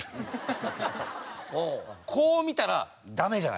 こう見たらダメじゃないですか。